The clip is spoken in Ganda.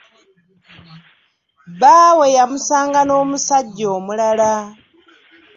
Bbaawe yamusanga n'omusajja omulala.